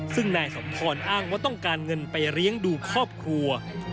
ซึ่งนายสมพรอ้างว่าต้องการเงินไปเลี้ยงดูครอบครัว